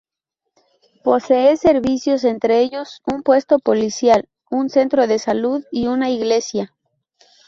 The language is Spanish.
Posee servicios, entre ellos un puesto policial, un centro de salud y una iglesia.